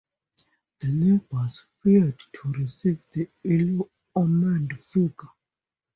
The neighbors feared to receive the ill-omened figure.